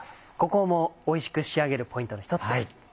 ここもおいしく仕上げるポイントの一つです。